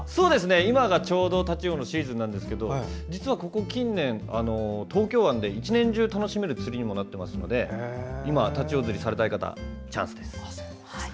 今がちょうどタチウオのシーズンなんですけど実は、ここ近年、東京湾で１年中楽しめる釣りにもなってますので今、タチウオ釣りされたい方チャンスです。